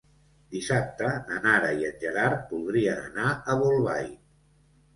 Dissabte na Nara i en Gerard voldrien anar a Bolbait.